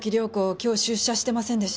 今日出社してませんでした。